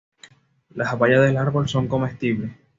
Las bayas del árbol son comestibles.